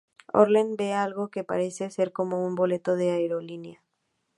Horler ve algo que parece ser cómo un boleto de aerolínea.